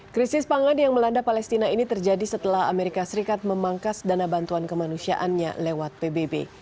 krisis pangan yang melanda palestina ini terjadi setelah amerika serikat memangkas dana bantuan kemanusiaannya lewat pbb